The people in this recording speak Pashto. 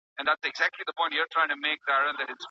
د بریا ګټل یوازي د مستحقو خلګو کار نه سي ګڼل کېدلای.